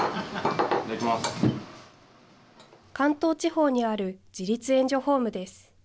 関東地方にある自立援助ホームです。